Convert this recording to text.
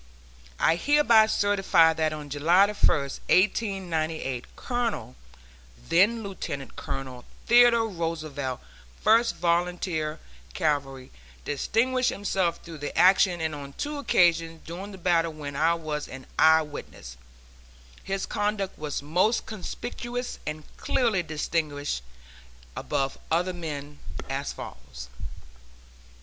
I hereby certify that on July 1, 1898, Colonel (then Lieutenant Colonel) Theodore Roosevelt, First Volunteer Cavalry, distinguished himself through the action, and on two occasions during the battle when I was an eye witness, his conduct was most conspicuous and clearly distinguished above other men, as follows: 1.